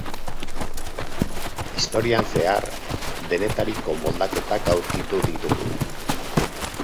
Historian zehar, denetariko moldaketak aurkitu ditugu.